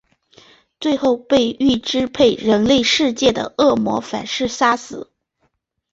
最后被欲支配人类世界的恶魔反噬杀死。